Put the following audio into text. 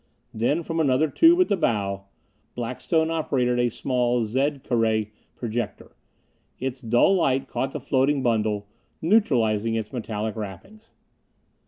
Then from another tube at the bow, Blackstone operated a small Zed co ray projector. Its dull light caught the floating bundle, neutralizing its metallic wrappings.